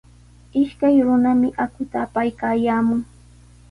Ishkay runami aquta apaykaayaamun.